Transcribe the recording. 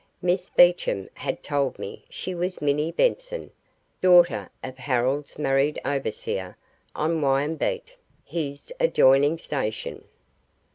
Miss Beecham had told me she was Minnie Benson, daughter of Harold's married overseer on Wyambeet, his adjoining station.